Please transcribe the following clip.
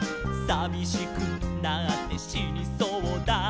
「さびしくなってしにそうだ」